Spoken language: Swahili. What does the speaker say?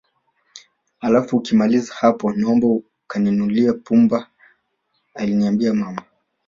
Alafu ukimaliza hapo naomba kaninunulie pumba alinambia mama